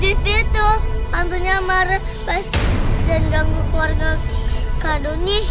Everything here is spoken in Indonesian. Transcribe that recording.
di situ hantunya marah basah dan ganggu keluarga kak doni